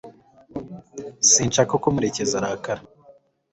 Sinshaka ko murekezi arakara